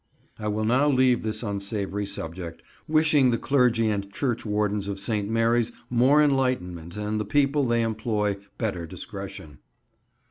I will now leave this unsavoury subject, wishing the clergy and churchwardens of St. Mary's more enlightenment and the people they employ better discretion.